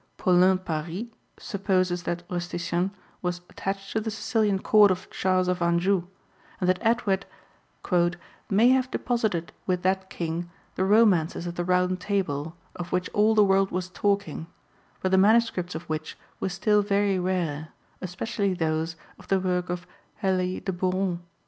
Paulin Paris supposes that Rustician was attached to the Sicilian Court of Charles of Anjou, and that Edward "may have deposited with that king the Romances of the Round Table, of which all the world was talking, but the manuscripts of which were still very rare, especially those of the work of Helye de Borron *